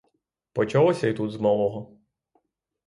Почалося і тут з малого.